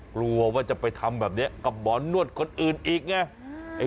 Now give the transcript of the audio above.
กลัวว่าจะไปทำแบบนี้กับหมอนวดคนอื่นอีกไง